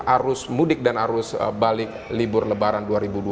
arus mudik dan arus balik libur lebaran dua ribu dua puluh